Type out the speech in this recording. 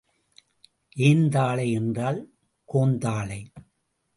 ஏந்தாழை என்றால் கோந்தாழை.